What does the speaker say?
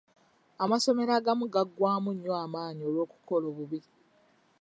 Amasomero agamu gaggwamu nnyo amaanyi olw'okukola obubi.